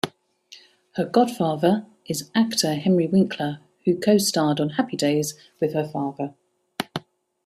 Her godfather is actor Henry Winkler, who co-starred on "Happy Days" with her father.